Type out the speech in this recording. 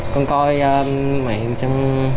con coi mạng